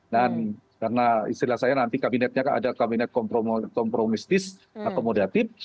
dan karena istilah saya nanti kabinetnya ada kabinet kompromistis atau modatif